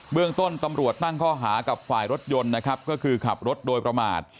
เรื่องต้นตำรวจตั้งข้อหากับฝ่ายรถยนต์นะครับก็คือขับรถโดยประมาท